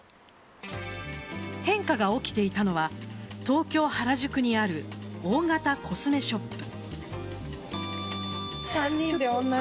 変化が起きていたのは東京・原宿にある大型コスメショップ。